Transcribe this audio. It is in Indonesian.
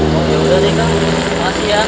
ya udah deh kak terima kasih ya